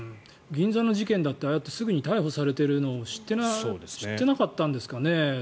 銀座の事件だってああいうふうにすぐに逮捕されているのを知ってなかったんですかね？